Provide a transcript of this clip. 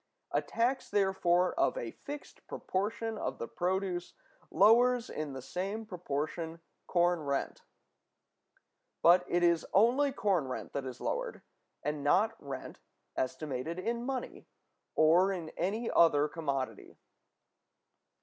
A tax, therefore, of a fixed proportion of the produce lowers, in the same proportion, corn rent. But it is only corn rent that is lowered, and not rent estimated in money, or in any other commodity.